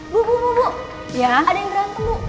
bu bu bu bu ada yang berantem bu